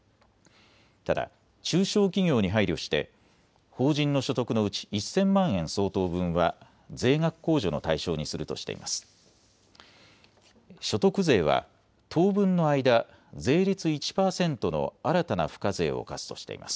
ただ、中小企業に配慮して法人の所得のうち、１０００万円相当分は税額控除の対象にするとしています。